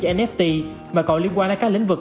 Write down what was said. nft mà còn liên quan đến các lĩnh vực